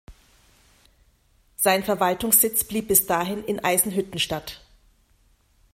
Sein Verwaltungssitz blieb bis dahin in Eisenhüttenstadt.